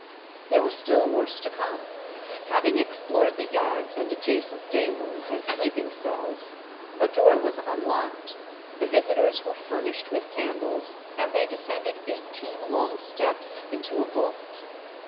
There was still worse to come. Having explored the yards and adjacent day rooms, and sleeping cells, a door was unlocked, the visitors were furnished with candles, and they descended eighteen long steps into a vault.